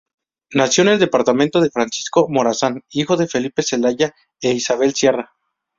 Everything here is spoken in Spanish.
Nacido en el departamento de Francisco Morazán, hijo de Felipe Zelaya e Isabel Sierra.